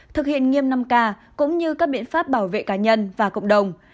thực hiện nghiêm năm k cũng như các biện pháp bảo vệ cá nhân và cộng đồng